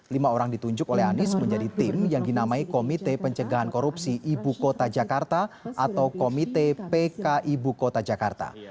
lima orang ditunjuk oleh anies menjadi tim yang dinamai komite pencegahan korupsi ibu kota jakarta atau komite pk ibu kota jakarta